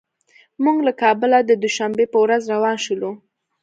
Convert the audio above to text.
موږ له کابله د دوشنبې په ورځ روان شولو.